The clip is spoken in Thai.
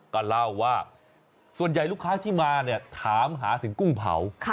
ก็เล่าว่าส่วนใหญ่ลูกค้าที่มาเนี่ยถามหาถึงกุ้งเผา